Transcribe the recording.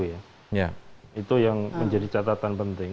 itu yang menjadi catatan penting